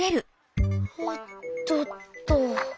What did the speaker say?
おっとっと。